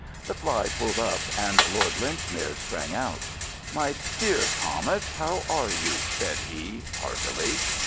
The fly pulled up and Lord Linchmere sprang out. "My dear Thomas, how are you?" said he, heartily.